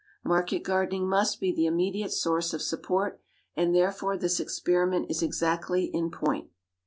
Market gardening must be the immediate source of support; and therefore this experiment is exactly in point.